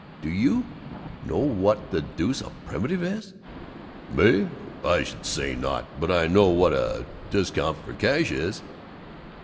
Do you know what the deuce a primitive is?" "Me? I should say not! But I know what a discount for cash is."